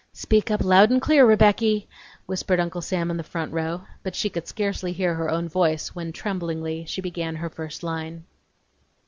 "Speak up loud and clear, Rebecky," whispered Uncle Sam in the front row, but she could scarcely hear her own voice when, tremblingly, she began her first line.